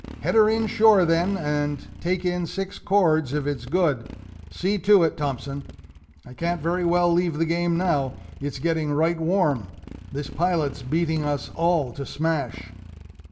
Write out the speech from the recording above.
"Head her in shore, then, and take in six cords if it's good see to it, Thompson; I can't very well leave the game now it's getting right warm! This pilot's beating us all to smash."